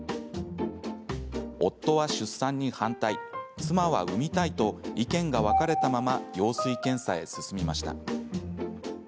夫は出産に反対、妻は産みたいと意見が分かれたまま羊水検査へ進みました。